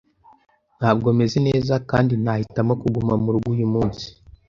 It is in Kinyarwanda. Ntabwo meze neza kandi nahitamo kuguma murugo uyu munsi.